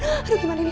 aduh gimana ini